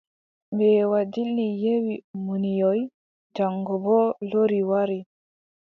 Mbeewa dilli, yehi munyoy, jaŋgo boo lori wari.